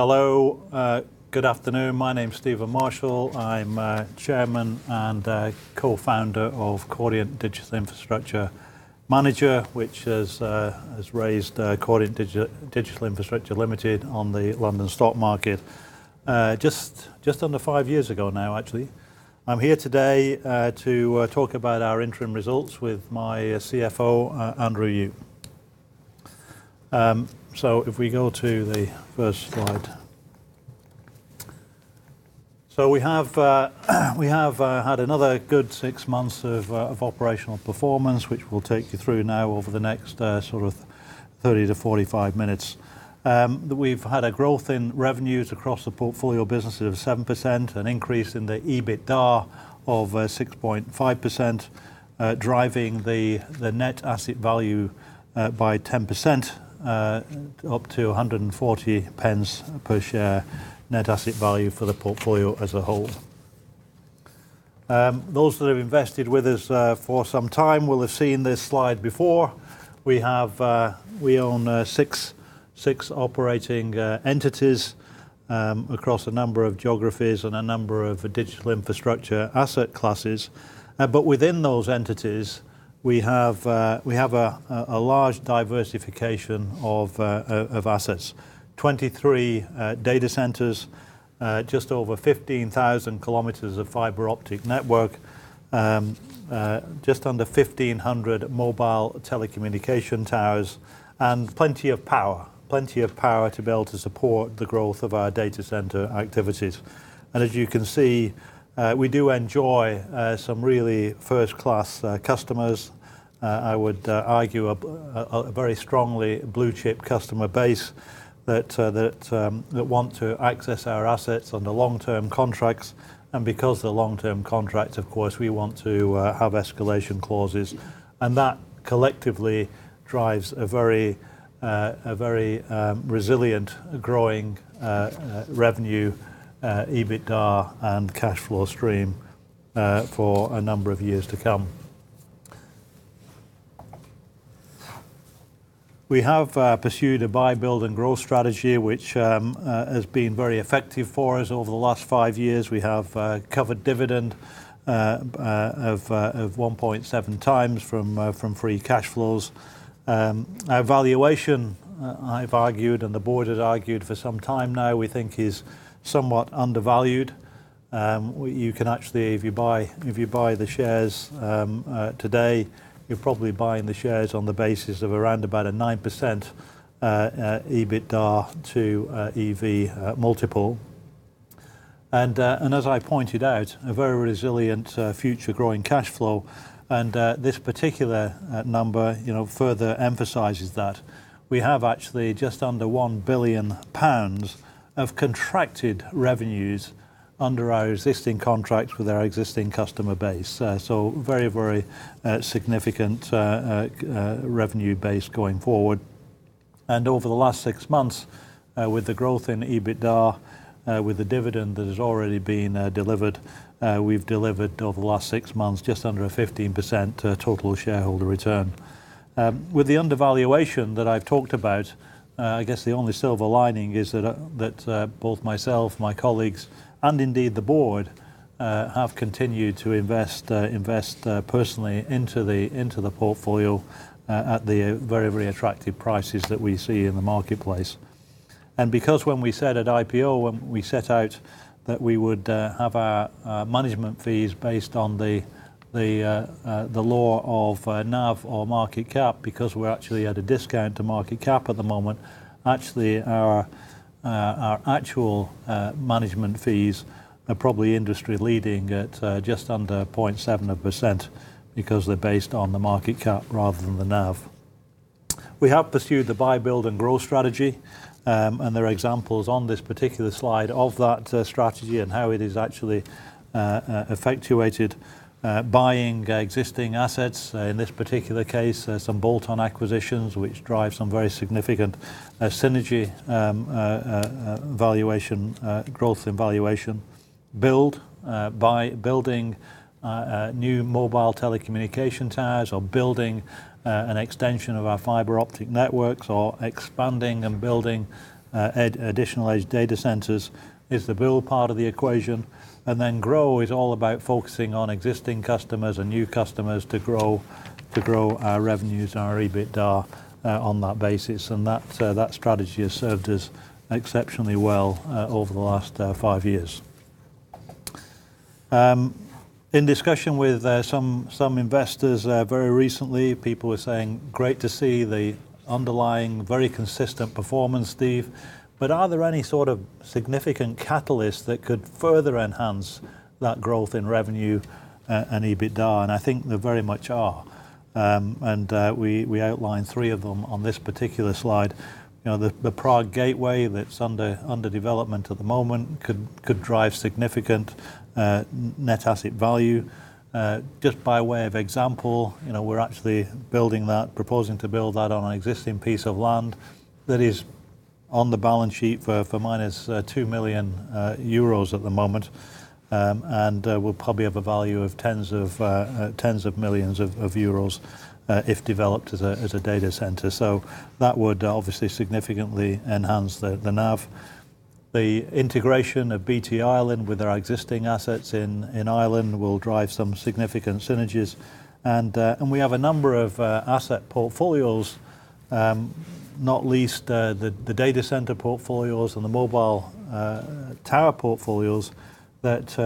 Hello, good afternoon. My name's Steven Marshall. I'm Chairman and Co-Founder of Cordiant Digital Infrastructure Manager, which has raised Cordiant Digital Infrastructure Limited on the London stock market just under five years ago now, actually. I'm here today to talk about our interim results with my CFO, Andrew Ewe. If we go to the first slide. We have had another good six months of operational performance, which we'll take you through now over the next sort of 30 to 45 minutes. We've had a growth in revenues across the portfolio businesses of 7%, an increase in the EBITDA of 6.5%, driving the net asset value by 10%, up to 140 pence per share net asset value for the portfolio as a whole. Those that have invested with us for some time will have seen this slide before. We own six operating entities across a number of geographies and a number of digital infrastructure asset classes. Within those entities, we have a large diversification of assets: 23 data centers, just over 15,000 km of fibre optic network, just under 1,500 mobile telecommunication towers, and plenty of power, plenty of power to be able to support the growth of our data center activities. As you can see, we do enjoy some really first-class customers. I would argue a very strongly blue-chip customer base that want to access our assets under long-term contracts. Because they are long-term contracts, of course, we want to have escalation clauses. That collectively drives a very resilient growing revenue, EBITDA, and cash flow stream for a number of years to come. We have pursued a buy-build-and-grow strategy, which has been very effective for us over the last five years. We have covered dividend of 1.7x from free cash flows. Our valuation, I've argued, and the board has argued for some time now, we think is somewhat undervalued. You can actually, if you buy the shares today, you're probably buying the shares on the basis of around about a 9% EBITDA to EV multiple. As I pointed out, a very resilient future growing cash flow. This particular number further emphasizes that we have actually just under 1 billion pounds of contracted revenues under our existing contracts with our existing customer base. Very, very significant revenue base going forward. Over the last six months, with the growth in EBITDA, with the dividend that has already been delivered, we've delivered over the last six months just under a 15% total shareholder return. With the undervaluation that I've talked about, I guess the only silver lining is that both myself, my colleagues, and indeed the board have continued to invest personally into the portfolio at the very, very attractive prices that we see in the marketplace. When we said at IPO, when we set out that we would have our management fees based on the law of NAV or market cap, because we're actually at a discount to market cap at the moment, actually our actual management fees are probably industry-leading at just under 0.7% because they're based on the market cap rather than the NAV. We have pursued the buy-build-and-grow strategy. There are examples on this particular slide of that strategy and how it is actually effectuated, buying existing assets, in this particular case, some bolt-on acquisitions, which drive some very significant synergy valuation, growth in valuation. Build, by building new mobile telecommunication towers or building an extension of our fibre-optic networks or expanding and building additional edge data centers, is the build part of the equation. Grow is all about focusing on existing customers and new customers to grow our revenues, our EBITDA on that basis. That strategy has served us exceptionally well over the last five years. In discussion with some investors very recently, people were saying, "Great to see the underlying very consistent performance, Steve. Are there any sort of significant catalysts that could further enhance that growth in revenue and EBITDA?" I think there very much are. We outline three of them on this particular slide. The Prague Gateway that is under development at the moment, could drive significant net asset value. Just by way of example, we're actually building that, proposing to build that on an existing piece of land that is on the balance sheet for minus 2 million euros at the moment. It will probably have a value of tens of millions of euros if developed as a data center. That would obviously significantly enhance the NAV. The integration of BT Ireland with our existing assets in Ireland will drive some significant synergies. We have a number of asset portfolios, not least the data center portfolios and the mobile tower portfolios that,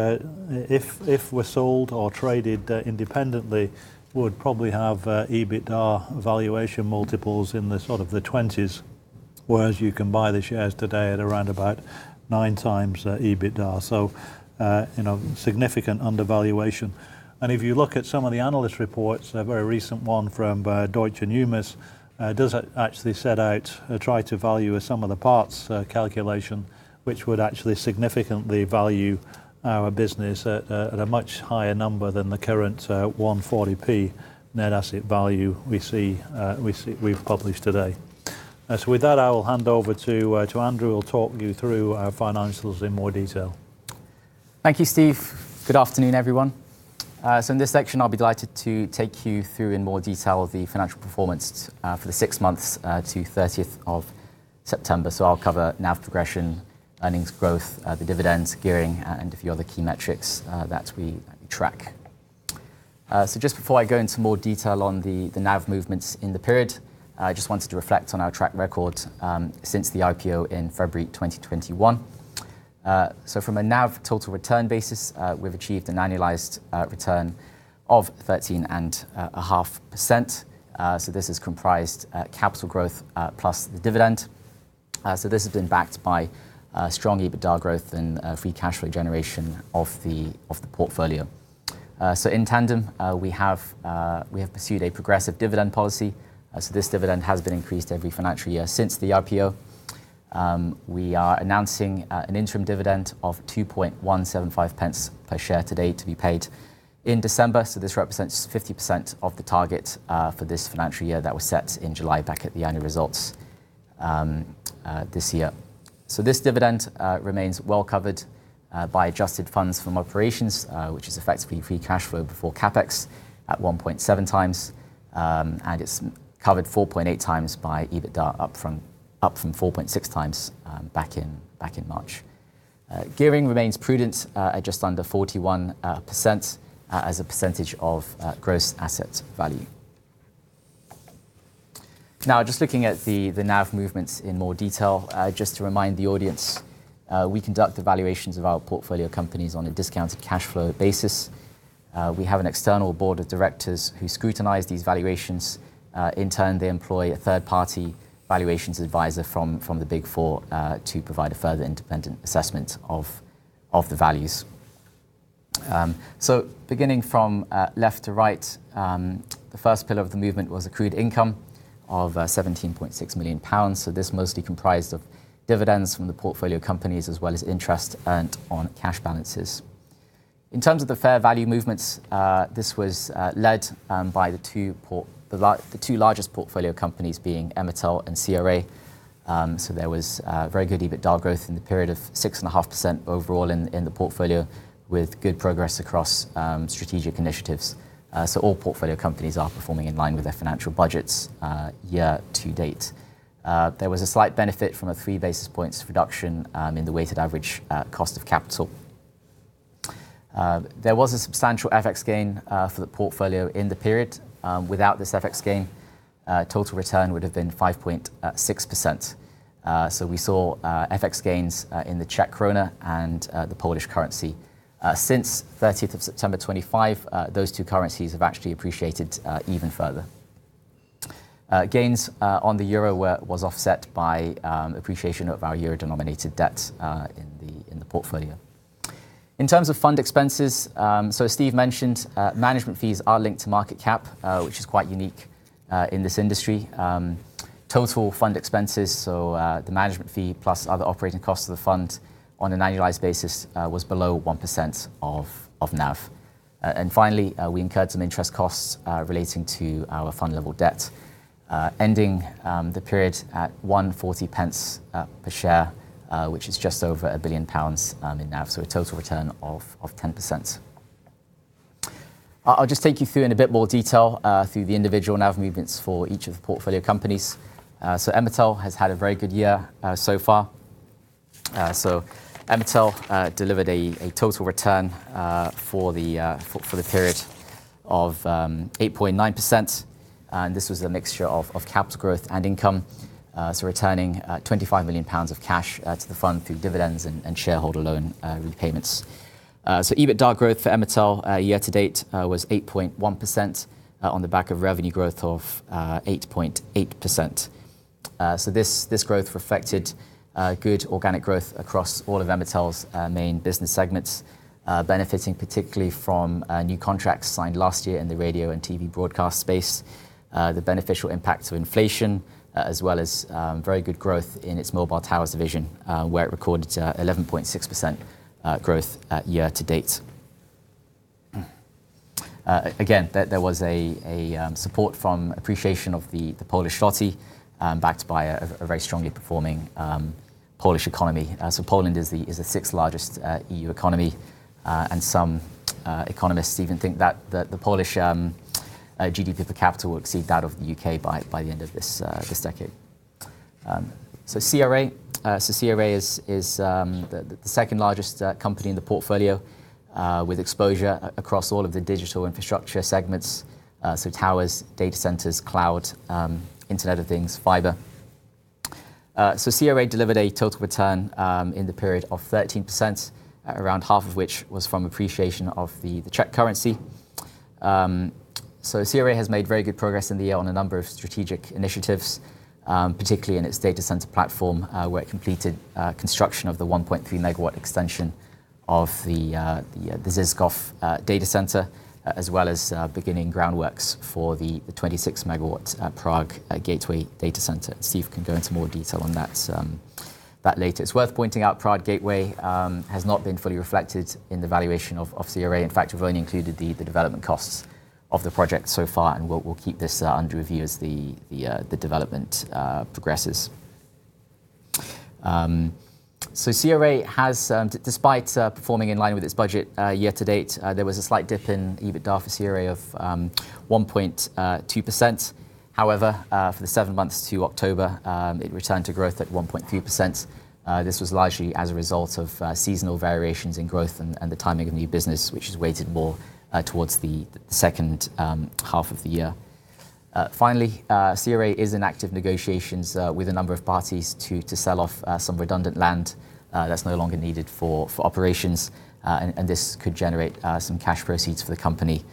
if were sold or traded independently, would probably have EBITDA valuation multiples in the sort of the 20s, whereas you can buy the shares today at around about 9x EBITDA. Significant undervaluation. If you look at some of the analyst reports, a very recent one from Deutsche Numis does actually set out a try to value some of the parts calculation, which would actually significantly value our business at a much higher number than the current 140.0p net asset value we have published today. With that, I will hand over to Andrew, who will talk you through our financials in more detail. Thank you, Steve. Good afternoon, everyone. In this section, I'll be delighted to take you through in more detail the financial performance for the six months to 30th of September. I'll cover NAV progression, earnings growth, the dividends, gearing, and a few other key metrics that we track. Just before I go into more detail on the NAV movements in the period, I just wanted to reflect on our track record since the IPO in February 2021. From a NAV total return basis, we've achieved an annualized return of 13.5%. This is comprised of capital growth plus the dividend. This has been backed by strong EBITDA growth and free cash flow generation of the portfolio. In tandem, we have pursued a progressive dividend policy. This dividend has been increased every financial year since the IPO. We are announcing an interim dividend of 2.175 pence per share today to be paid in December. This represents 50% of the target for this financial year that was set in July, back at the annual results this year. This dividend remains well covered by adjusted funds from operations, which is effectively free cash flow before CapEx at 1.7x. It is covered 4.8x by EBITDA, up from 4.6x back in March. Gearing remains prudent at just under 41% as a percentage of gross asset value. Now, just looking at the NAV movements in more detail, just to remind the audience, we conduct the valuations of our portfolio companies on a discounted cash flow basis. We have an external board of directors who scrutinize these valuations. In turn, they employ a third-party valuations advisor from the Big Four to provide a further independent assessment of the values. Beginning from left to right, the first pillar of the movement was accrued income of 17.6 million pounds. This mostly comprised of dividends from the portfolio companies as well as interest earned on cash balances. In terms of the fair value movements, this was led by the two largest portfolio companies being Emitel and CRA. There was very good EBITDA growth in the period of 6.5% overall in the portfolio, with good progress across strategic initiatives. All portfolio companies are performing in line with their financial budgets year to date. There was a slight benefit from a three basis points reduction in the weighted average cost of capital. There was a substantial FX gain for the portfolio in the period. Without this FX gain, total return would have been 5.6%. We saw FX gains in the Czech koruna and the Polish currency. Since 30 September 2025, those two currencies have actually appreciated even further. Gains on the euro were offset by appreciation of our euro-denominated debt in the portfolio. In terms of fund expenses, Steve mentioned, management fees are linked to market cap, which is quite unique in this industry. Total fund expenses, the management fee plus other operating costs of the fund on an annualized basis, was below 1% of NAV. Finally, we incurred some interest costs relating to our fund-level debt, ending the period at 1.40 per share, which is just over 1 billion pounds in NAV, so a total return of 10%. I'll just take you through in a bit more detail through the individual NAV movements for each of the portfolio companies. Emitel has had a very good year so far. Emitel delivered a total return for the period of 8.9%. This was a mixture of CapEx growth and income, returning 25 million pounds of cash to the fund through dividends and shareholder loan repayments. EBITDA growth for Emitel year to date was 8.1% on the back of revenue growth of 8.8%. This growth reflected good organic growth across all of Emitel's main business segments, benefiting particularly from new contracts signed last year in the radio and TV broadcast space, the beneficial impact of inflation, as well as very good growth in its mobile towers division, where it recorded 11.6% growth year to date. There was support from appreciation of the Polish złoty backed by a very strongly performing Polish economy. Poland is the sixth-largest EU economy. Some economists even think that the Polish GDP per capita will exceed that of the U.K. by the end of this decade. CRA is the second largest company in the portfolio with exposure across all of the digital infrastructure segments, so towers, data centers, cloud, Internet of Things, fibre. CRA delivered a total return in the period of 13%, around half of which was from appreciation of the Czech currency. CRA has made very good progress in the year on a number of strategic initiatives, particularly in its data center platform, where it completed construction of the 1.3 MW extension of the Žižkov data center, as well as beginning groundworks for the 26 MW Prague Gateway data center. Steve can go into more detail on that later. It is worth pointing out Prague Gateway has not been fully reflected in the valuation of CRA. In fact, we've only included the development costs of the project so far, and we'll keep this under review as the development progresses. CRA has, despite performing in line with its budget year to date, there was a slight dip in EBITDA for CRA of 1.2%. However, for the seven months to October, it returned to growth at 1.3%. This was largely as a result of seasonal variations in growth and the timing of new business, which has weighted more towards the second half of the year. Finally, CRA is in active negotiations with a number of parties to sell off some redundant land that's no longer needed for operations. This could generate some cash proceeds for the company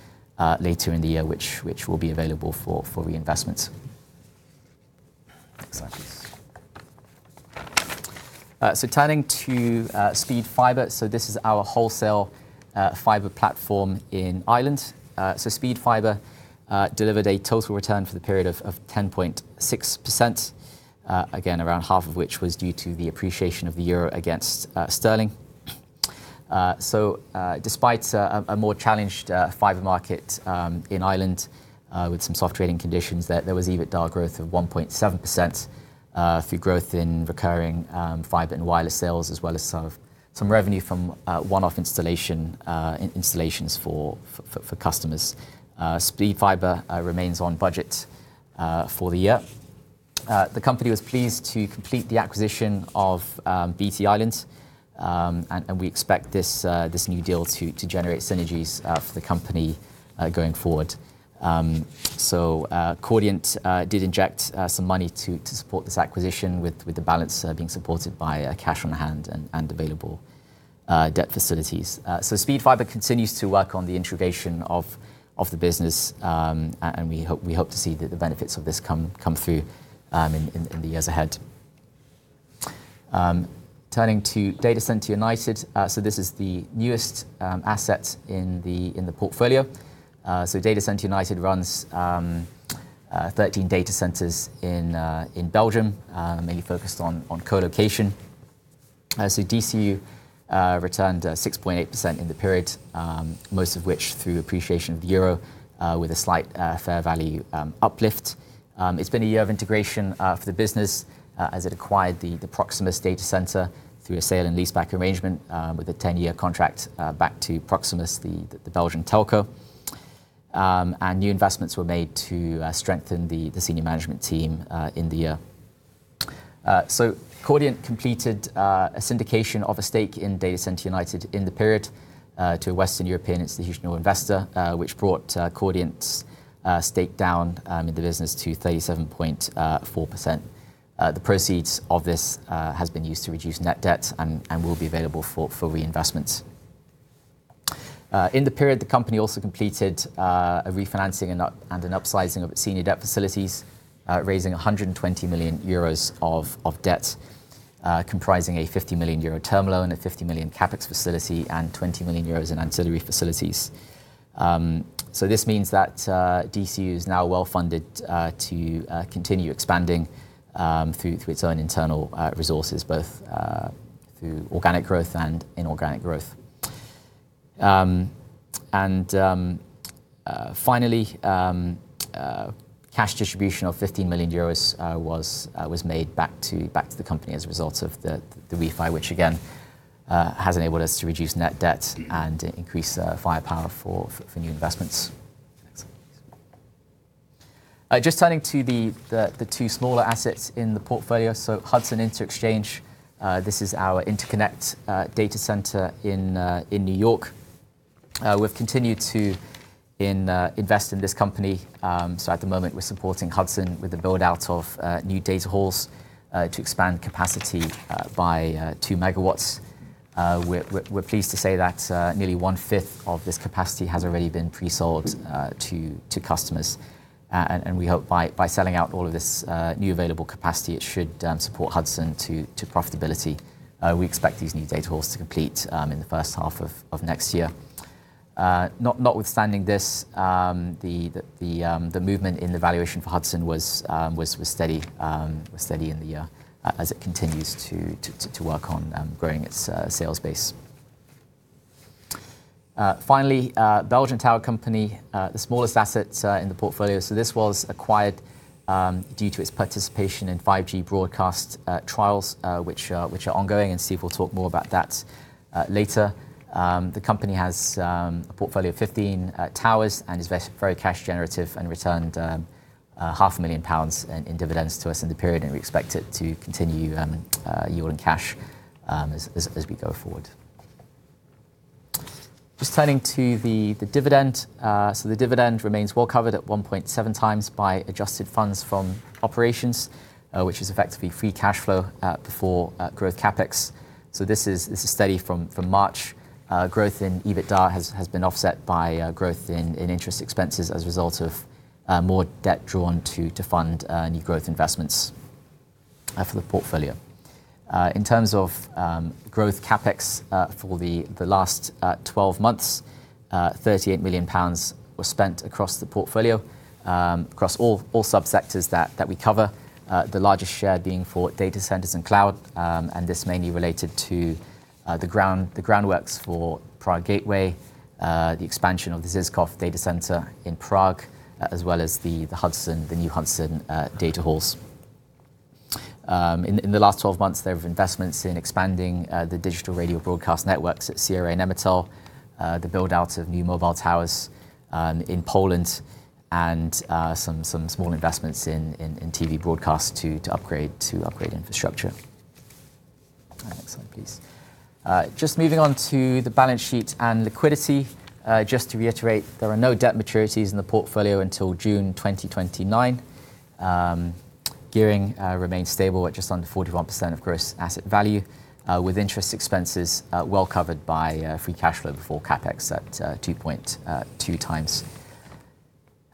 later in the year, which will be available for reinvestments. Turning to Speed Fibre, this is our wholesale fibre platform in Ireland. Speed Fibre delivered a total return for the period of 10.6%, again, around half of which was due to the appreciation of the euro against sterling. Despite a more challenged fibre market in Ireland with some soft trading conditions, there was EBITDA growth of 1.7% through growth in recurring fibre and wireless sales, as well as some revenue from one-off installations for customers. Speed Fibre remains on budget for the year. The company was pleased to complete the acquisition of BT Ireland. We expect this new deal to generate synergies for the company going forward. Cordiant did inject some money to support this acquisition, with the balance being supported by cash on hand and available debt facilities. Speed Fibre continues to work on the integration of the business. We hope to see the benefits of this come through in the years ahead. Turning to Data Center United, this is the newest asset in the portfolio. Data Center United runs 13 data centers in Belgium, mainly focused on co-location. DCU returned 6.8% in the period, most of which through appreciation of the euro, with a slight fair value uplift. It has been a year of integration for the business, as it acquired the Proximus data center through a sale and leaseback arrangement, with a 10-year contract back to Proximus, the Belgian telco. New investments were made to strengthen the senior management team in the year. Cordiant completed a syndication of a stake in Data Center United in the period to a Western European institutional investor, which brought Cordiant's stake down in the business to 37.4%. The proceeds of this have been used to reduce net debt and will be available for reinvestments. In the period, the company also completed a refinancing and an upsizing of its senior debt facilities, raising 120 million euros of debt, comprising a 50 million euro term loan, a 50 million CapEx facility, and 20 million euros in ancillary facilities. This means that DCU is now well funded to continue expanding through its own internal resources, both through organic growth and inorganic growth. Finally, cash distribution of 15 million was made back to the company as a result of the refi, which again has enabled us to reduce net debt and increase firepower for new investments. Just turning to the two smaller assets in the portfolio, Hudson Interxchange, this is our interconnect data center in New York. We have continued to invest in this company. At the moment, we are supporting Hudson with the build-out of new data halls to expand capacity by 2 MW. We're pleased to say that nearly one-fifth of this capacity has already been pre-sold to customers. We hope by selling out all of this new available capacity, it should support Hudson to profitability. We expect these new data halls to complete in the first half of next year. Notwithstanding this, the movement in the valuation for Hudson was steady in the year as it continues to work on growing its sales base. Finally, Belgian Tower Company, the smallest asset in the portfolio. This was acquired due to its participation in 5G broadcast trials, which are ongoing. Steve will talk more about that later. The company has a portfolio of 15 towers and is very cash generative and returned 500,000 pounds in dividends to us in the period. We expect it to continue yielding cash as we go forward. Just turning to the dividend. The dividend remains well covered at 1.7x by adjusted funds from operations, which is effectively free cash flow before growth CapEx. This is steady from March. Growth in EBITDA has been offset by growth in interest expenses as a result of more debt drawn to fund new growth investments for the portfolio. In terms of growth, CapEx for the last 12 months, 38 million pounds was spent across the portfolio, across all subsectors that we cover, the largest share being for data centers and cloud. This mainly related to the groundworks for Prague Gateway, the expansion of the Žižkov data center in Prague, as well as the new Hudson data halls. In the last 12 months, there have been investments in expanding the digital radio broadcast networks at CRA and Emitel, the build-out of new mobile towers in Poland, and some small investments in TV broadcast to upgrade infrastructure. Next slide, please. Just moving on to the balance sheet and liquidity. Just to reiterate, there are no debt maturities in the portfolio until June 2029. Gearing remains stable at just under 41% of gross asset value, with interest expenses well covered by free cash flow before CapEx at 2.2x.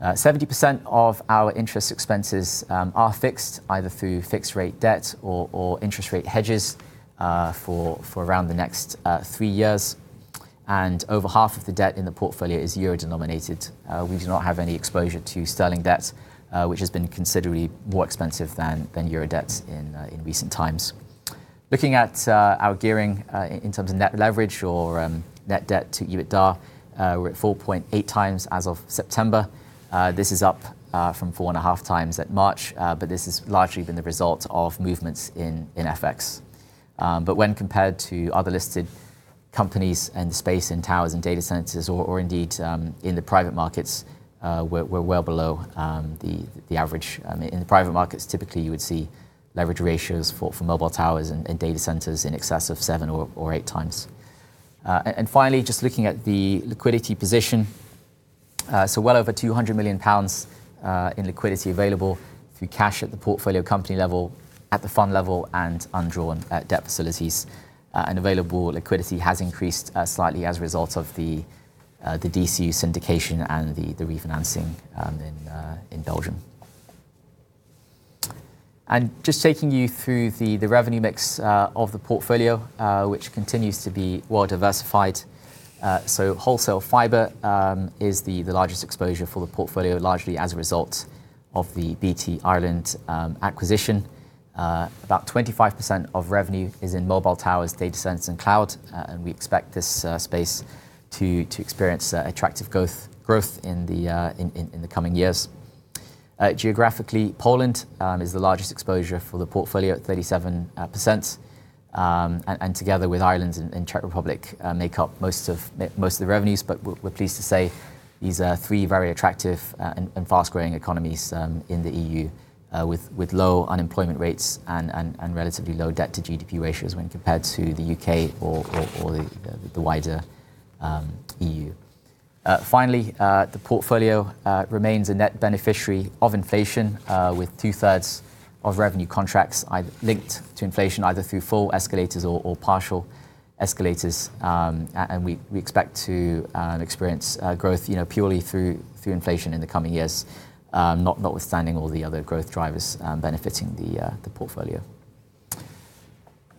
70% of our interest expenses are fixed, either through fixed-rate debt or interest rate hedges for around the next three years. Over half of the debt in the portfolio is euro-denominated. We do not have any exposure to sterling debt, which has been considerably more expensive than euro debt in recent times. Looking at our gearing in terms of net leverage or net debt to EBITDA, we're at 4.8x as of September. This is up from 4.5x at March, but this has largely been the result of movements in FX. When compared to other listed companies in the space in towers and data centers, or indeed in the private markets, we're well below the average. In the private markets, typically, you would see leverage ratios for mobile towers and data centers in excess of 7-8 times. Finally, just looking at the liquidity position, well over 200 million pounds in liquidity is available through cash at the portfolio company level, at the fund level, and undrawn debt facilities. Available liquidity has increased slightly as a result of the DCU syndication and the refinancing in Belgium. Just taking you through the revenue mix of the portfolio, which continues to be well diversified. Wholesale fibre is the largest exposure for the portfolio, largely as a result of the BT Ireland acquisition. About 25% of revenue is in mobile towers, data centers, and cloud. We expect this space to experience attractive growth in the coming years. Geographically, Poland is the largest exposure for the portfolio at 37%. Together with Ireland and Czech Republic, these make up most of the revenues. We are pleased to say these are three very attractive and fast-growing economies in the EU, with low unemployment rates and relatively low debt-to-GDP ratios when compared to the U.K. or the wider EU. Finally, the portfolio remains a net beneficiary of inflation, with two-thirds of revenue contracts linked to inflation, either through full escalators or partial escalators. We expect to experience growth purely through inflation in the coming years, notwithstanding all the other growth drivers benefiting the portfolio.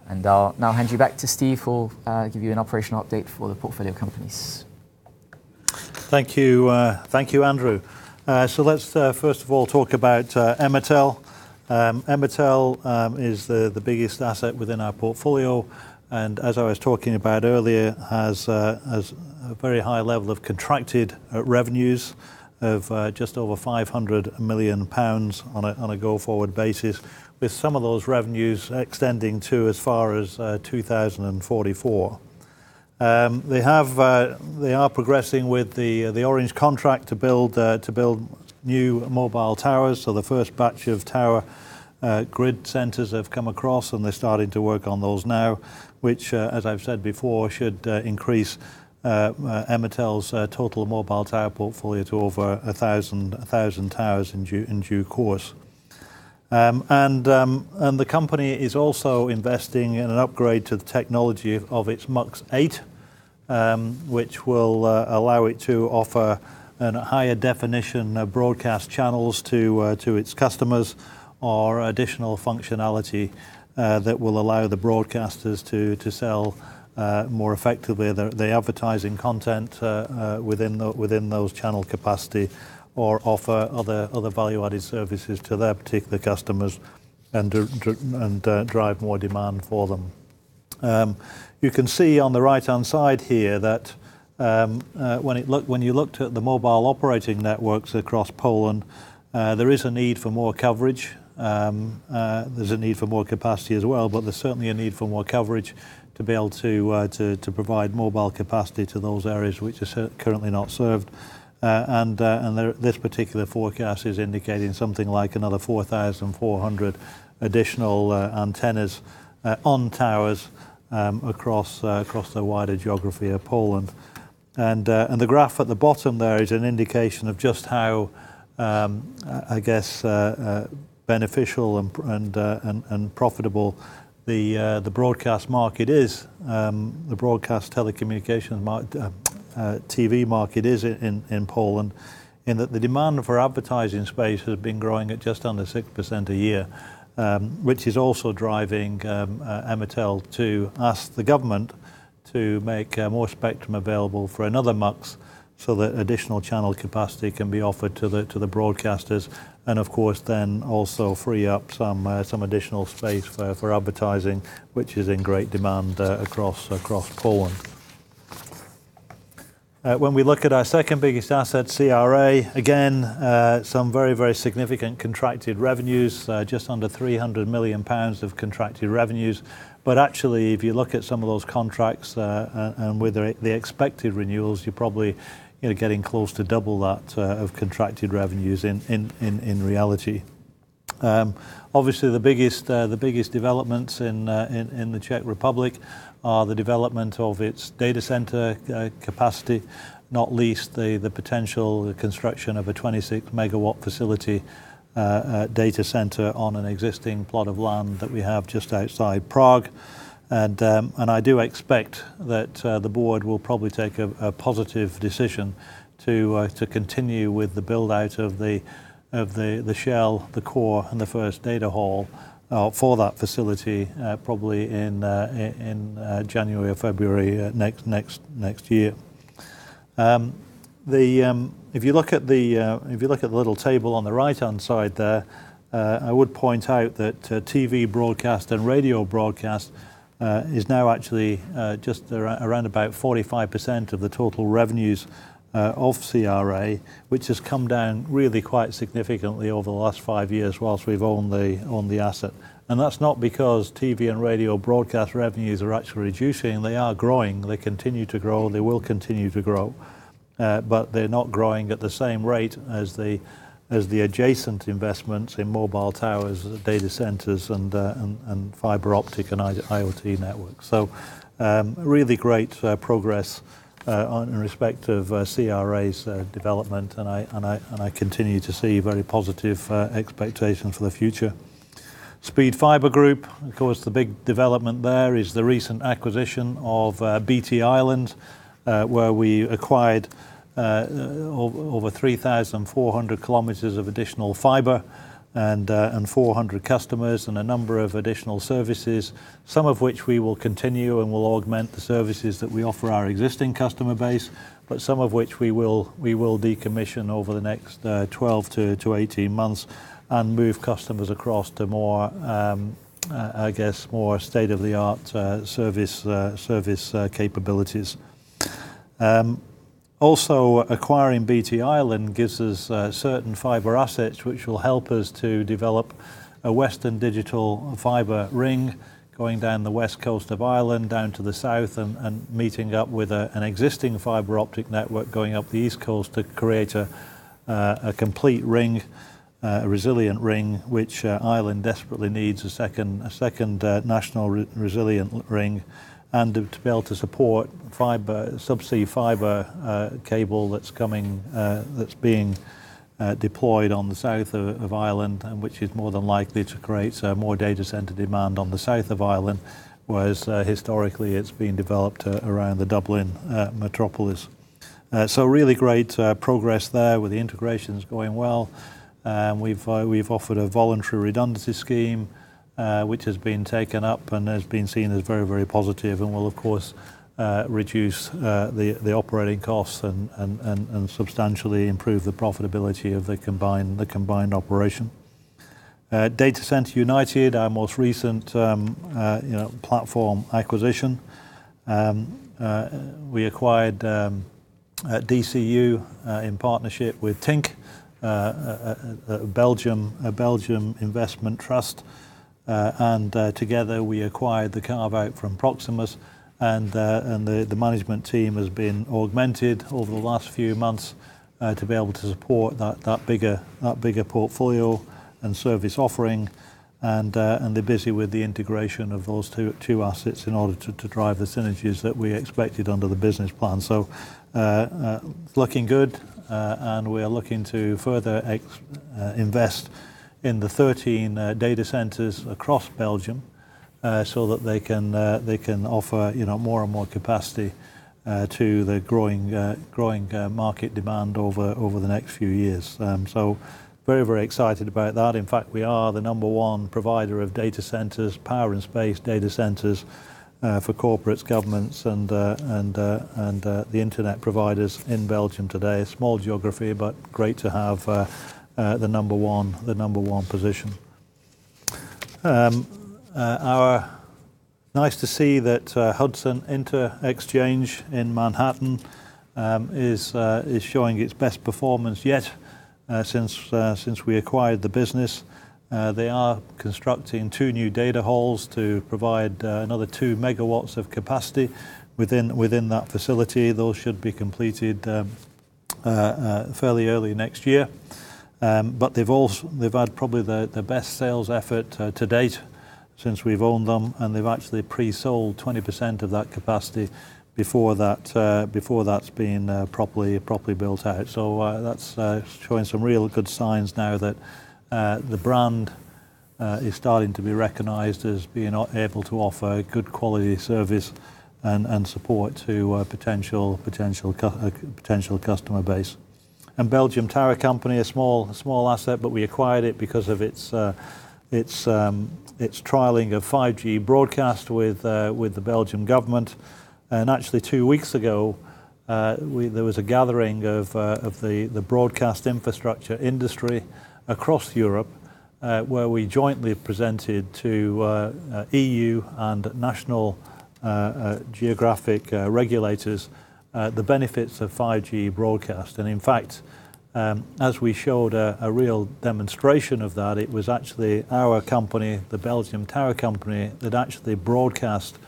I'll now hand you back to Steve for giving you an operational update for the portfolio companies. Thank you, Andrew. First of all, let's talk about Emitel. Emitel is the biggest asset within our portfolio. As I was talking about earlier, it has a very high level of contracted revenues of just over 500 million pounds on a go-forward basis, with some of those revenues extending to as far as 2044. They are progressing with the Orange contract to build new mobile towers. The first batch of tower grid centers have come across, and they're starting to work on those now, which, as I've said before, should increase Emitel's total mobile tower portfolio to over 1,000 towers in due course. The company is also investing in an upgrade to the technology of its MUX-8, which will allow it to offer higher-definition broadcast channels to its customers or additional functionality that will allow the broadcasters to sell more effectively their advertising content within those channel capacity or offer other value-added services to their particular customers and drive more demand for them. You can see on the right-hand side here that when you looked at the mobile operating networks across Poland, there is a need for more coverage. There is a need for more capacity as well, but there is certainly a need for more coverage to be able to provide mobile capacity to those areas which are currently not served. This particular forecast is indicating something like another 4,400 additional antennas on towers across the wider geography of Poland. The graph at the bottom there is an indication of just how, I guess, beneficial and profitable the broadcast market is, the broadcast telecommunications TV market is in Poland, in that the demand for advertising space has been growing at just under 6% a year, which is also driving Emitel to ask the government to make more spectrum available for another MUX so that additional channel capacity can be offered to the broadcasters. Of course, that would also free up some additional space for advertising, which is in great demand across Poland. When we look at our second biggest asset, CRA, again, some very, very significant contracted revenues, just under 300 million pounds of contracted revenues. Actually, if you look at some of those contracts and with the expected renewals, you're probably getting close to double that of contracted revenues in reality. Obviously, the biggest developments in the Czech Republic are the development of its data center capacity, not least the potential construction of a 26-MW facility data center on an existing plot of land that we have just outside Prague. I do expect that the board will probably take a positive decision to continue with the build-out of the shell, the core, and the first data hall for that facility probably in January or February next year. If you look at the little table on the right-hand side there, I would point out that TV broadcast and radio broadcast is now actually just around about 45% of the total revenues of CRA, which has come down really quite significantly over the last five years whilst we've owned the asset. That's not because TV and radio broadcast revenues are actually reducing. They are growing. They continue to grow. They will continue to grow. They are not growing at the same rate as the adjacent investments in mobile towers, data centers, and fibre-optic and IoT networks. Really great progress in respect of CRA's development. I continue to see very positive expectations for the future. Speed Fibre Group, of course, the big development there is the recent acquisition of BT Ireland, where we acquired over 3,400 km of additional fibre and 400 customers and a number of additional services, some of which we will continue and will augment the services that we offer our existing customer base, but some of which we will decommission over the next 12-18 months and move customers across to, I guess, more state-of-the-art service capabilities. Also, acquiring BT Ireland gives us certain fibre assets, which will help us to develop a western digital fibre ring going down the west coast of Ireland, down to the south, and meeting up with an existing fibre-optic network going up the east coast to create a complete ring, a resilient ring, which Ireland desperately needs, a second national resilient ring, and to be able to support subsea fibre cable that's being deployed on the south of Ireland, which is more than likely to create more data center demand on the south of Ireland, whereas historically it's been developed around the Dublin metropolis. Really great progress there with the integrations going well. We've offered a voluntary redundancy scheme, which has been taken up and has been seen as very, very positive and will, of course, reduce the operating costs and substantially improve the profitability of the combined operation. Data Center United, our most recent platform acquisition. We acquired DCU in partnership with TINC, a Belgian investment trust. Together, we acquired the carve-out from Proximus. The management team has been augmented over the last few months to be able to support that bigger portfolio and service offering. They are busy with the integration of those two assets in order to drive the synergies that we expected under the business plan. Looking good. We are looking to further invest in the 13 data centers across Belgium so that they can offer more and more capacity to the growing market demand over the next few years. Very, very excited about that. In fact, we are the number one provider of data centers, power and space data centers for corporates, governments, and the internet providers in Belgium today. Small geography, but great to have the number one position. Nice to see that Hudson Interxchange in Manhattan is showing its best performance yet since we acquired the business. They are constructing two new data halls to provide another 2 MW of capacity within that facility. Those should be completed fairly early next year. They've had probably the best sales effort to date since we've owned them. They've actually pre-sold 20% of that capacity before that's been properly built out. That is showing some real good signs now that the brand is starting to be recognized as being able to offer good quality service and support to a potential customer base. Belgian Tower Company, a small asset, but we acquired it because of its trialing of 5G Broadcast with the Belgian government. Actually, two weeks ago, there was a gathering of the broadcast infrastructure industry across Europe where we jointly presented to EU and national geographic regulators the benefits of 5G broadcast. In fact, as we showed a real demonstration of that, it was actually our company, the Belgian Tower Company, that actually broadcast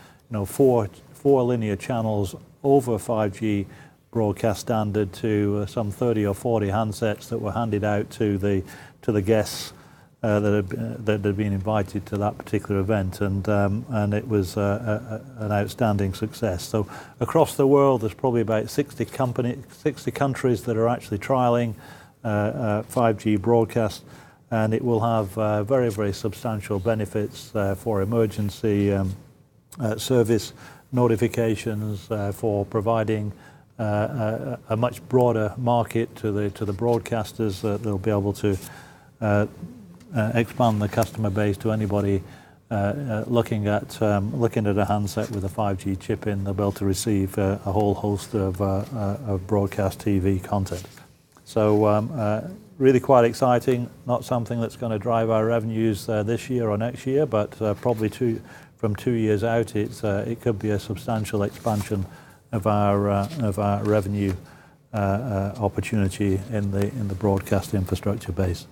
four linear channels over 5G broadcast standard to some 30 or 40 handsets that were handed out to the guests that had been invited to that particular event. It was an outstanding success. Across the world, there are probably about 60 countries that are actually trialing 5G broadcast. It will have very, very substantial benefits for emergency service notifications, for providing a much broader market to the broadcasters. They'll be able to expand the customer base to anybody looking at a handset with a 5G chip in, they'll be able to receive a whole host of broadcast TV content. Really quite exciting. Not something that's going to drive our revenues this year or next year, but probably from two years out, it could be a substantial expansion of our revenue opportunity in the broadcast infrastructure base.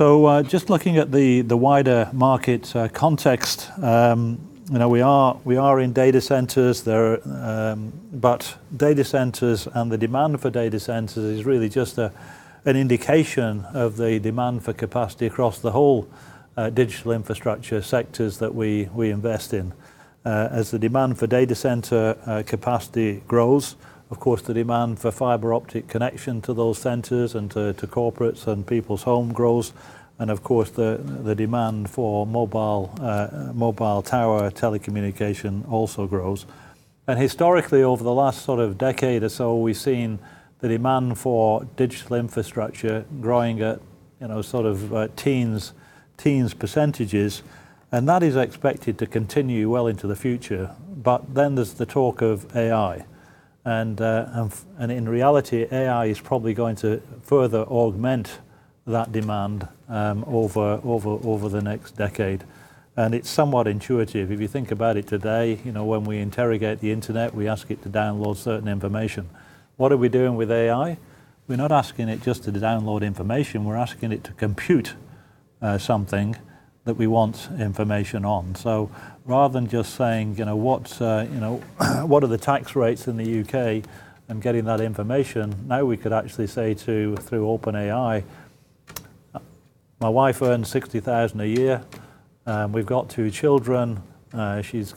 Looking at the wider market context, we are in data centers, but data centers and the demand for data centers is really just an indication of the demand for capacity across the whole digital infrastructure sectors that we invest in. As the demand for data center capacity grows, of course, the demand for fibre optic connection to those centers and to corporates and people's homes grows. Of course, the demand for mobile tower telecommunication also grows. Historically, over the last sort of decade or so, we've seen the demand for digital infrastructure growing at sort of teens percentages. That is expected to continue well into the future. There is the talk of AI. In reality, AI is probably going to further augment that demand over the next decade. It is somewhat intuitive. If you think about it today, when we interrogate the internet, we ask it to download certain information. What are we doing with AI? We're not asking it just to download information. We're asking it to compute something that we want information on. Rather than just saying, "What are the tax rates in the U.K.?" and getting that information, now we could actually say to, through OpenAI, "My wife earns 60,000 a year. We've got two children. She needs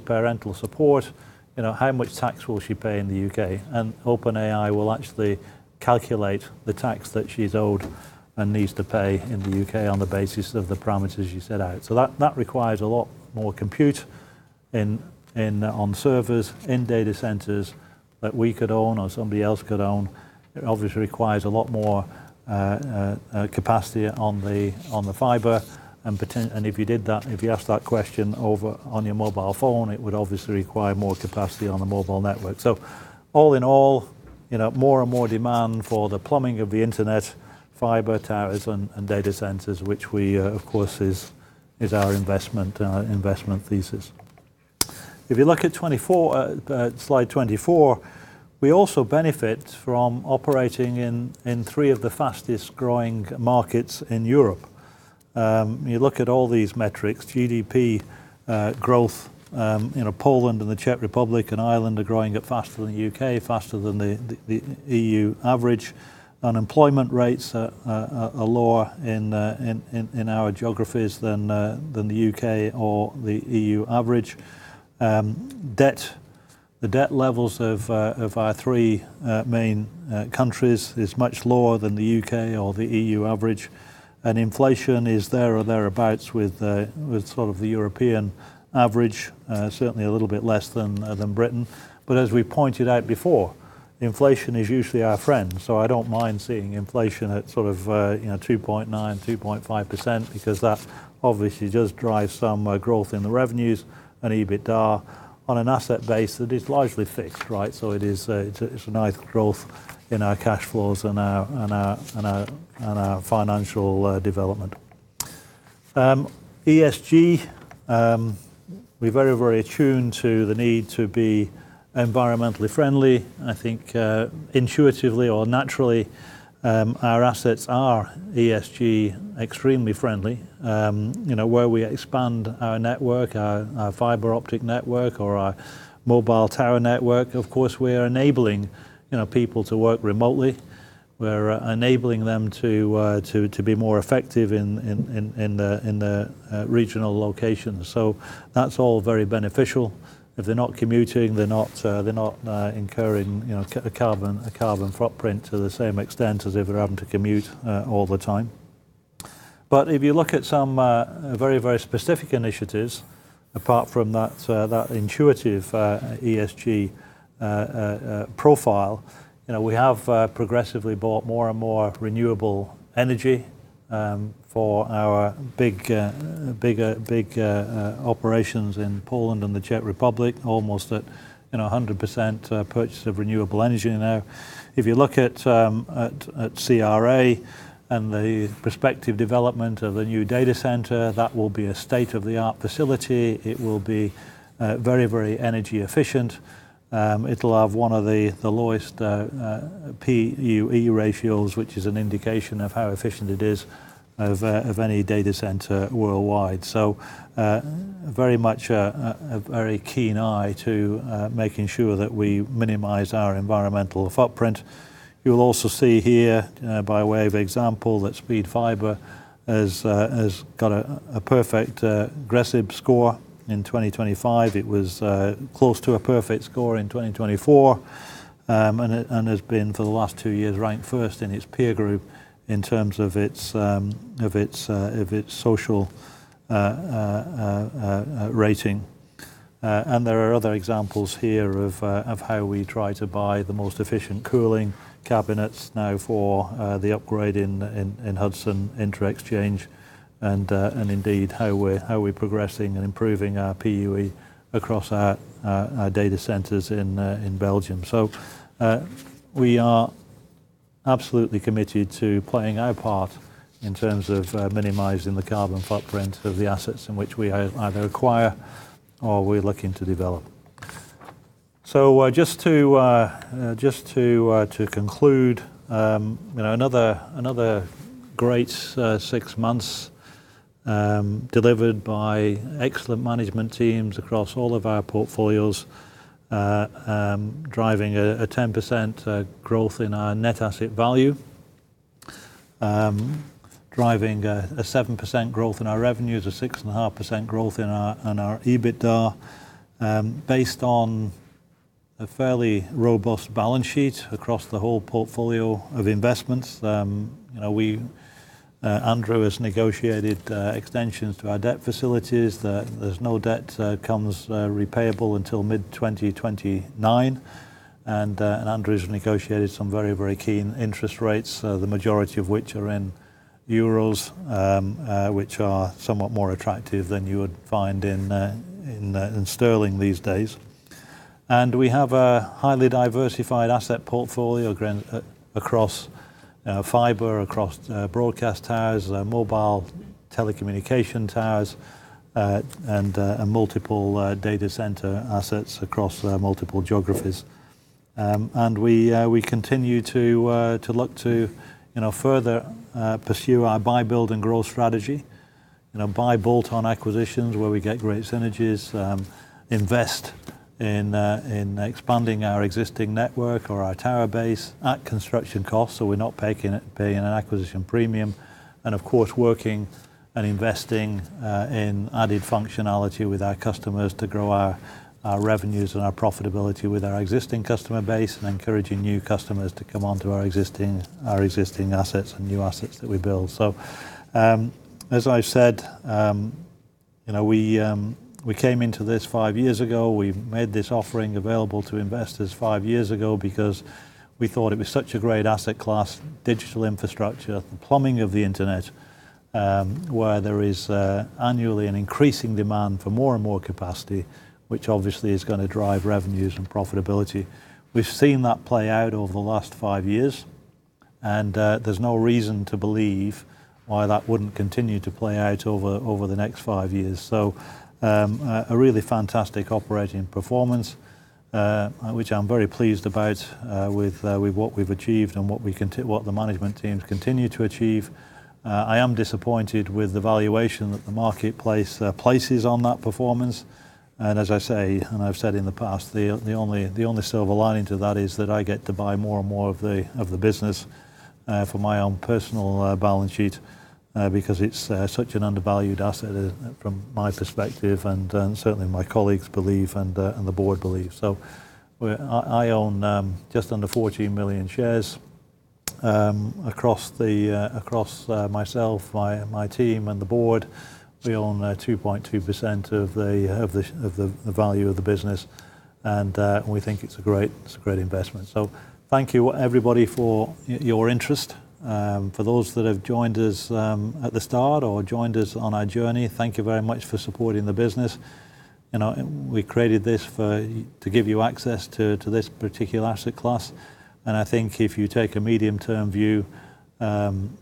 parental support. How much tax will she pay in the U.K.? OpenAI will actually calculate the tax that she's owed and needs to pay in the U.K. on the basis of the parameters you set out. That requires a lot more compute on servers in data centers that we could own, or somebody else could own. It obviously requires a lot more capacity on the fibre. If you ask that question on your mobile phone, it would obviously require more capacity on the mobile network. All in all, more and more demand for the plumbing of the internet, fibre towers, and data centers, which we, of course, is our investment thesis. If you look at slide 24, we also benefit from operating in three of the fastest-growing markets in Europe. You look at all these metrics, GDP growth, Poland and the Czech Republic, and Ireland are growing up faster than the U.K., faster than the EU average. Unemployment rates are lower in our geographies than the U.K. or the EU average. The debt levels of our three main countries are much lower than the U.K. or the EU average. Inflation is there or thereabouts with sort of the European average, certainly a little bit less than Britain. As we pointed out before, inflation is usually our friend. I do not mind seeing inflation at sort of 2.9%, 2.5% because that obviously does drive some growth in the revenues and EBITDA on an asset base that is largely fixed, right? It is a nice growth in our cash flows and our financial development. ESG, we are very, very attuned to the need to be environmentally friendly. I think intuitively or naturally, our assets are ESG extremely friendly. Where we expand our network, our fibre-optic network, or our mobile tower network, of course, we are enabling people to work remotely. We're enabling them to be more effective in the regional locations. That's all very beneficial. If they're not commuting, they're not incurring a carbon footprint to the same extent as if they're having to commute all the time. If you look at some very, very specific initiatives, apart from that intuitive ESG profile, we have progressively bought more and more renewable energy for our big operations in Poland and the Czech Republic, almost at 100% purchase of renewable energy now. If you look at CRA and the prospective development of a new data center, that will be a state-of-the-art facility. It will be very, very energy efficient. It'll have one of the lowest PUE ratios, which is an indication of how efficient it is of any data center worldwide. Very much a very keen eye to making sure that we minimize our environmental footprint. You will also see here, by way of example, that Speed Fibre has got a perfect aggressive score in 2025. It was close to a perfect score in 2024 and has been for the last two years ranked first in its peer group in terms of its social rating. There are other examples here of how we try to buy the most efficient cooling cabinets now for the upgrade in Hudson Interxchange and indeed how we're progressing and improving our PUE across our data centers in Belgium. We are absolutely committed to playing our part in terms of minimizing the carbon footprint of the assets in which we either acquire or we are looking to develop. Just to conclude, another great six months delivered by excellent management teams across all of our portfolios, driving a 10% growth in our net asset value, driving a 7% growth in our revenues, a 6.5% growth in our EBITDA. Based on a fairly robust balance sheet across the whole portfolio of investments, Andrew has negotiated extensions to our debt facilities. There is no debt that comes repayable until mid-2029. Andrew has negotiated some very, very keen interest rates, the majority of which are in euros, which are somewhat more attractive than you would find in sterling these days. We have a highly diversified asset portfolio across fibre, across broadcast towers, mobile telecommunication towers, and multiple data center assets across multiple geographies. We continue to look to further pursue our buy-build and growth strategy, buy bolt-on acquisitions where we get great synergies, invest in expanding our existing network or our tower base at construction costs so we're not paying an acquisition premium. Of course, working and investing in added functionality with our customers to grow our revenues and our profitability with our existing customer base and encouraging new customers to come onto our existing assets and new assets that we build. As I said, we came into this five years ago. We made this offering available to investors five years ago because we thought it was such a great asset class, digital infrastructure, the plumbing of the internet, where there is annually an increasing demand for more and more capacity, which obviously is going to drive revenues and profitability. We've seen that play out over the last five years. There is no reason to believe why that wouldn't continue to play out over the next five years. A really fantastic operating performance, which I'm very pleased about with what we've achieved and what the management teams continue to achieve. I am disappointed with the valuation that the marketplace places on that performance. As I say, and I've said in the past, the only silver lining to that is that I get to buy more and more of the business for my own personal balance sheet because it's such an undervalued asset from my perspective and certainly my colleagues believe and the board believes. I own just under 14 million shares across myself, my team, and the board. We own 2.2% of the value of the business. We think it's a great investment. Thank you, everybody, for your interest. For those that have joined us at the start or joined us on our journey, thank you very much for supporting the business. We created this to give you access to this particular asset class. I think if you take a medium-term view,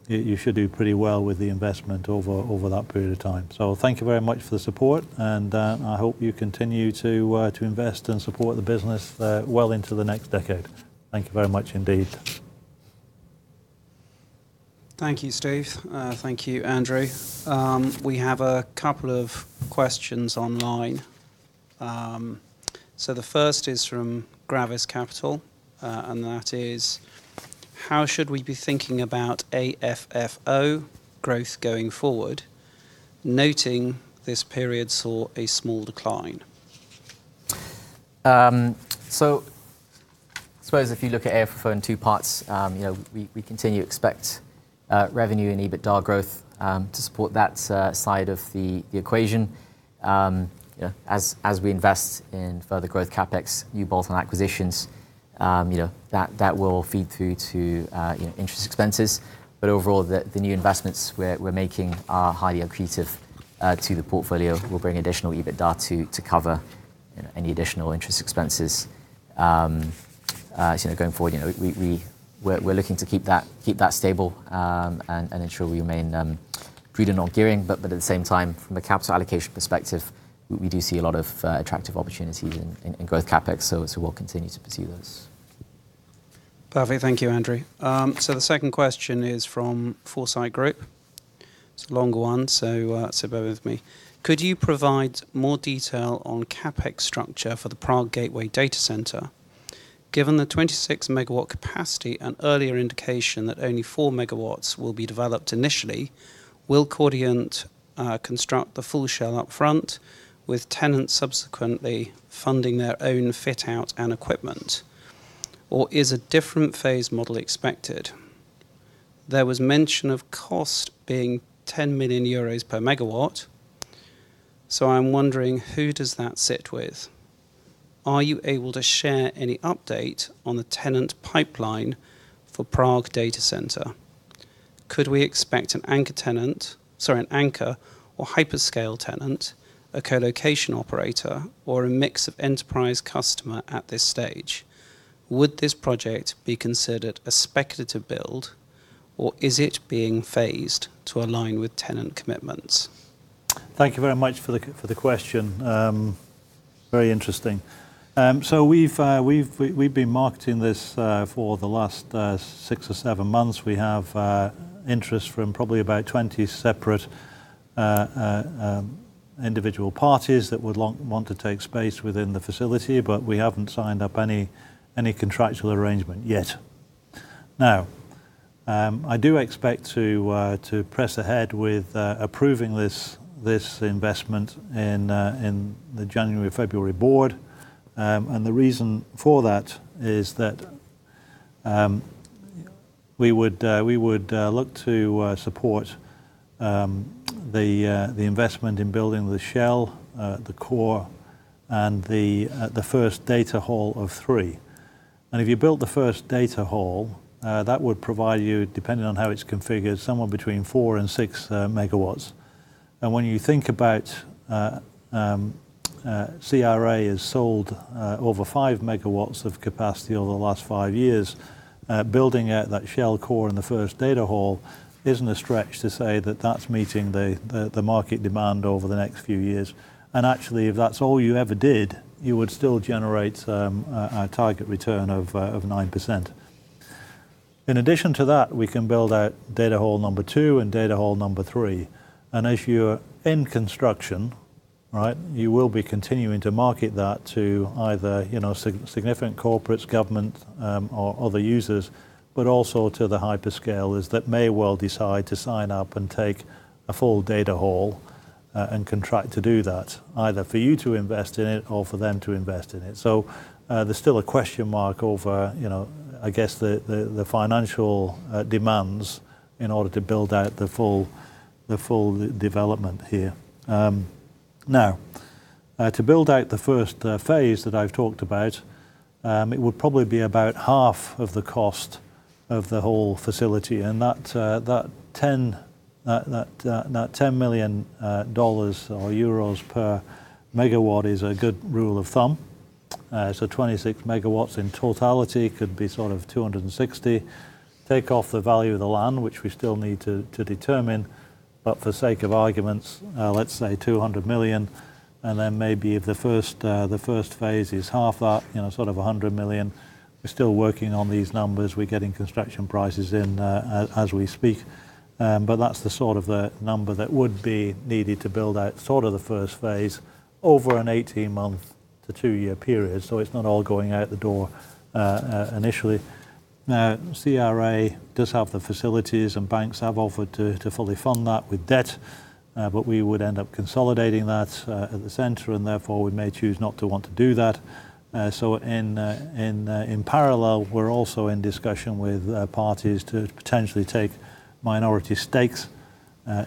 you should do pretty well with the investment over that period of time. Thank you very much for the support. I hope you continue to invest and support the business well into the next decade. Thank you very much indeed. Thank you, Steve. Thank you, Andrew. We have a couple of questions online. The first is from Gravis Capital. That is, how should we be thinking about AFFO growth going forward, noting this period saw a small decline? I suppose if you look at AFFO in two parts, we continue to expect revenue and EBITDA growth to support that side of the equation. As we invest in further growth, CapEx, new bolt-on acquisitions, that will feed through to interest expenses. Overall, the new investments we are making are highly accretive to the portfolio. We will bring additional EBITDA to cover any additional interest expenses going forward. We are looking to keep that stable and ensure we remain prudent on gearing. At the same time, from a capital allocation perspective, we do see a lot of attractive opportunities in growth CapEx. We will continue to pursue those. Perfect. Thank you, Andrew. The second question is from Foresight Group. It is a longer one, so bear with me. Could you provide more detail on CapEx structure for the Prague Gateway Data Center? Given the 26-MW capacity and earlier indication that only 4 MW will be developed initially, will Cordiant construct the full shell upfront with tenants subsequently funding their own fit-out and equipment? Is a different phase model expected? There was mention of cost being 10 million euros per megawatt. I am wondering who does that sit with? Are you able to share any update on the tenant pipeline for Prague Data Center? Could we expect an anchor tenant, sorry, an anchor or hyperscale tenant, a co-location operator, or a mix of enterprise customer at this stage? Would this project be considered a speculative build, or is it being phased to align with tenant commitments? Thank you very much for the question. Very interesting. We have been marketing this for the last six or seven months. We have interest from probably about 20 separate individual parties that would want to take space within the facility, but we have not signed up any contractual arrangement yet. I do expect to press ahead with approving this investment in the January-February board. The reason for that is that we would look to support the investment in building the shell, the core, and the first data hall of three. If you build the first data hall, that would provide you, depending on how it's configured, somewhere between 4-6 MW. When you think about CRA has sold over 5 MW of capacity over the last five years, building out that shell core and the first data hall isn't a stretch to say that that's meeting the market demand over the next few years. Actually, if that's all you ever did, you would still generate a target return of 9%. In addition to that, we can build out data hall number two and data hall number three. As you're in construction, right, you will be continuing to market that to either significant corporates, government, or other users, but also to the hyperscalers that may well decide to sign up and take a full data hall and contract to do that, either for you to invest in it or for them to invest in it. There's still a question mark over, I guess, the financial demands in order to build out the full development here. To build out the first phase that I've talked about, it would probably be about half of the cost of the whole facility. That $10 million or EUR 10 million per megawatt is a good rule of thumb. Twenty-six megawatts in totality could be sort of $260 million or EUR 260 million. Take off the value of the land, which we still need to determine. For the sake of argument, let's say 200 million. Then maybe if the first phase is half that, sort of 100 million. We're still working on these numbers. We're getting construction prices in as we speak. That's the sort of number that would be needed to build out the first phase over an 18-month to two-year period. It's not all going out the door initially. CRA does have the facilities, and banks have offered to fully fund that with debt. We would end up consolidating that at the center, and therefore, we may choose not to want to do that. In parallel, we're also in discussion with parties to potentially take minority stakes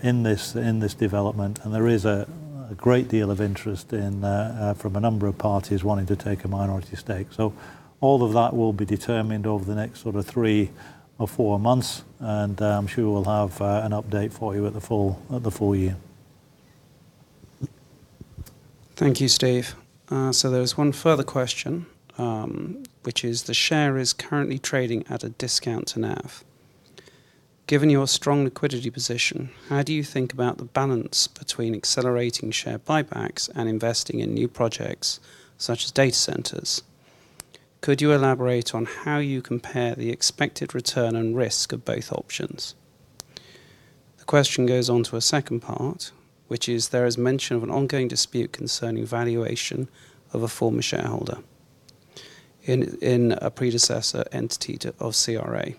in this development. There is a great deal of interest from a number of parties wanting to take a minority stake. All of that will be determined over the next three or four months. I'm sure we'll have an update for you at the full year. Thank you, Steve. There's one further question, which is, the share is currently trading at a discount to NAV. Given your strong liquidity position, how do you think about the balance between accelerating share buybacks and investing in new projects such as data centers? Could you elaborate on how you compare the expected return and risk of both options? The question goes on to a second part, which is, there is mention of an ongoing dispute concerning valuation of a former shareholder in a predecessor entity of CRA.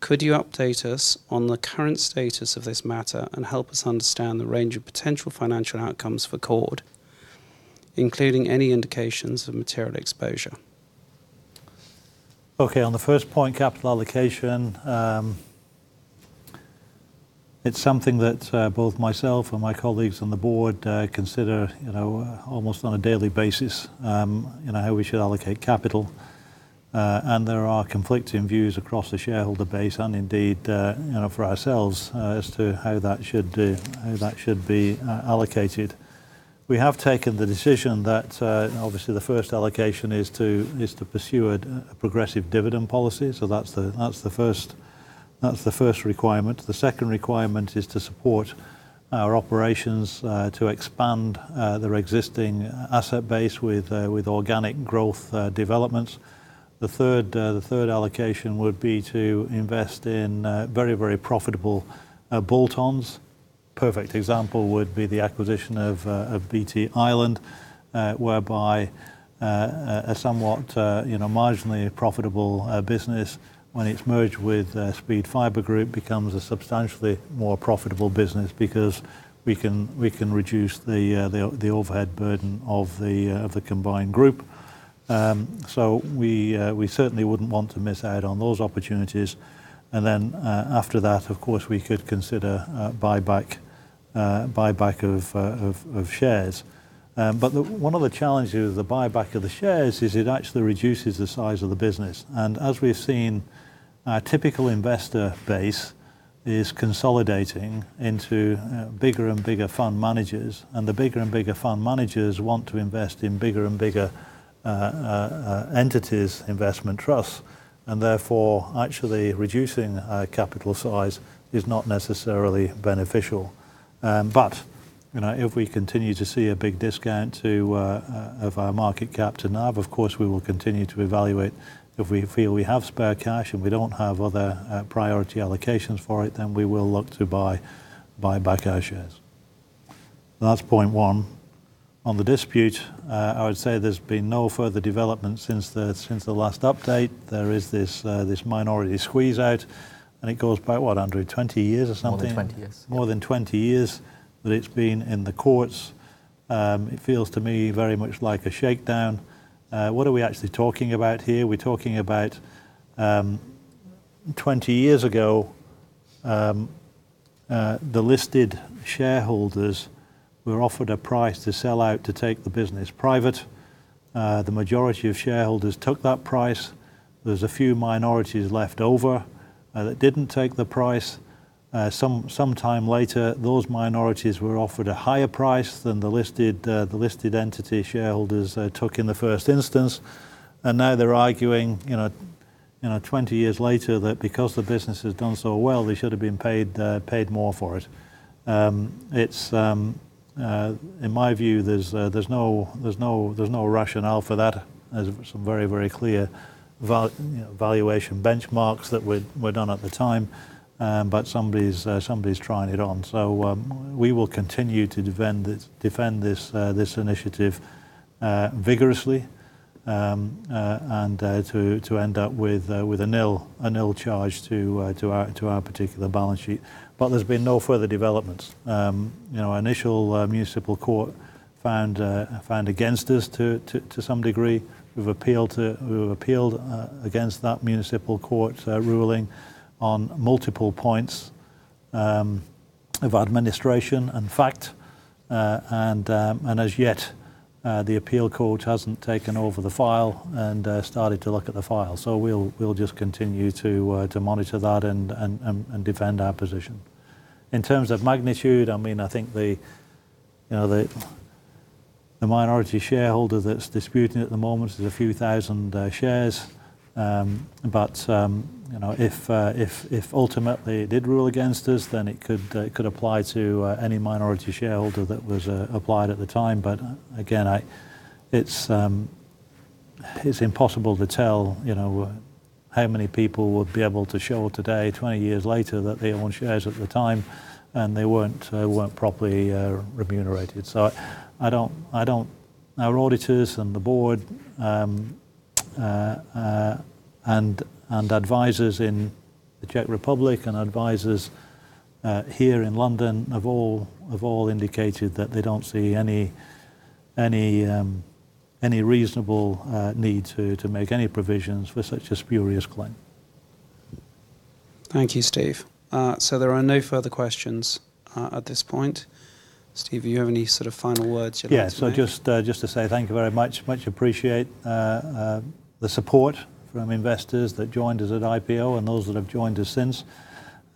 Could you update us on the current status of this matter and help us understand the range of potential financial outcomes for Cord, including any indications of material exposure? Okay. On the first point, capital allocation, it's something that both myself and my colleagues on the board consider almost on a daily basis, how we should allocate capital. There are conflicting views across the shareholder base and indeed for ourselves as to how that should be allocated. We have taken the decision that obviously the first allocation is to pursue a progressive dividend policy. That's the first requirement. The second requirement is to support our operations to expand their existing asset base with organic growth developments. The third allocation would be to invest in very, very profitable bolt-ons. Perfect example would be the acquisition of BT Ireland, whereby a somewhat marginally profitable business, when it's merged with Speed Fibre Group, becomes a substantially more profitable business because we can reduce the overhead burden of the combined group. We certainly wouldn't want to miss out on those opportunities. After that, of course, we could consider buyback of shares. One of the challenges of the buyback of the shares is it actually reduces the size of the business. As we've seen, our typical investor base is consolidating into bigger and bigger fund managers. The bigger and bigger fund managers want to invest in bigger and bigger entities, investment trusts. Therefore, actually reducing capital size is not necessarily beneficial. If we continue to see a big discount of our market cap to NAV, of course, we will continue to evaluate. If we feel we have spare cash and we do not have other priority allocations for it, then we will look to buy back our shares. That is point one. On the dispute, I would say there has been no further development since the last update. There is this minority squeeze out. It goes back, what, Andrew, 20 years or something? More than 20 years. More than 20 years that it's been in the courts. It feels to me very much like a shakedown. What are we actually talking about here? We're talking about 20 years ago, the listed shareholders were offered a price to sell out to take the business private. The majority of shareholders took that price. There's a few minorities left over that didn't take the price. Some time later, those minorities were offered a higher price than the listed entity shareholders took in the first instance. Now they're arguing 20 years later that because the business has done so well, they should have been paid more for it. In my view, there's no rationale for that. There's some very, very clear valuation benchmarks that were done at the time. Somebody's trying it on. We will continue to defend this initiative vigorously and to end up with a nil charge to our particular balance sheet. There have been no further developments. The initial municipal court found against us to some degree. We have appealed against that municipal court ruling on multiple points of administration and fact. As yet, the appeal court has not taken over the file and started to look at the file. We will just continue to monitor that and defend our position. In terms of magnitude, I mean, I think the minority shareholder that is disputing at the moment is a few thousand shares. If ultimately it did rule against us, then it could apply to any minority shareholder that was applied at the time. Again, it's impossible to tell how many people would be able to show today, 20 years later, that they own shares at the time and they weren't properly remunerated. Our auditors and the board and advisors in the Czech Republic and advisors here in London have all indicated that they don't see any reasonable need to make any provisions for such a spurious claim. Thank you, Steve. There are no further questions at this point. Steve, do you have any sort of final words you'd like to say? Yeah. Just to say thank you very much. Much appreciate the support from investors that joined us at IPO and those that have joined us since.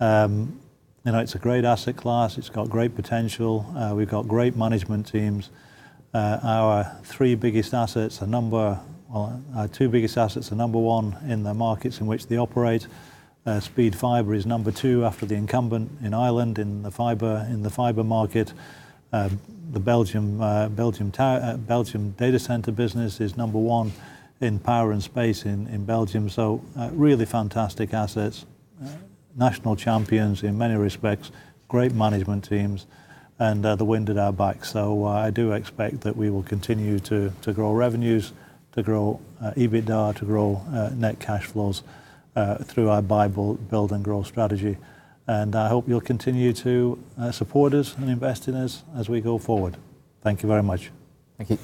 It's a great asset class. It's got great potential. We've got great management teams. Our three biggest assets are number, well, our two biggest assets are number one in the markets in which they operate. Speed Fibre is number two after the incumbent in Ireland in the fibre market. The Belgium data center business is number one in power and space in Belgium. Really fantastic assets, national champions in many respects, great management teams, and the wind at our back. I do expect that we will continue to grow revenues, to grow EBITDA, to grow net cash flows through our buy-build-and-grow strategy. I hope you'll continue to support us and invest in us as we go forward. Thank you very much. Thank you.